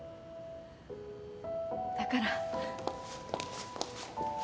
だから。